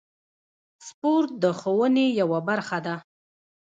سپورت د ښوونې یوه برخه ده.